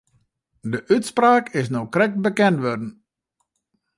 De útspraak is no krekt bekend wurden.